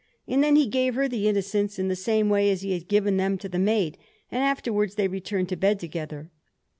And then he gave her the Innocents in the same way as he had given them to the maid, and afterwards they returned to bed together.